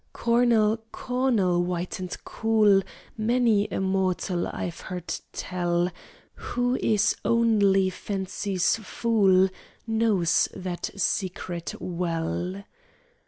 "Cornel, cornel, white and cool, Many a mortal, I've heard tell, Who is only Fancy's fool Knows that secret well."